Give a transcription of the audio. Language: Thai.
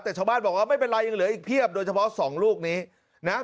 แต่ชาวบ้านบอกว่าไม่เป็นไรยังเหลืออีกเพียบโดยเฉพาะสองลูกนี้นะ